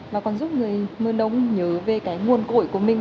mà còn giúp người mân âu nhớ về cái nguồn cổi của mình